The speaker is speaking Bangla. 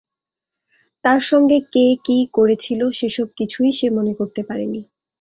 তার সঙ্গে কে কী করেছিল, সেসব কিছুই সে মনে করতে পারেনি।